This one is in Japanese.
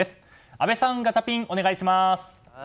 阿部さん、ガチャピンお願いします。